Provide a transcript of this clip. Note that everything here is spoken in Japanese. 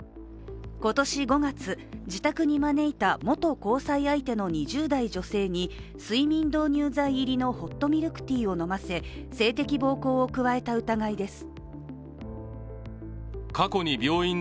今年５月、自宅に招いた元交際相手の２０代女性に睡眠導入剤入りのホットミルクティーを飲ませ性的暴行を加えた疑いです。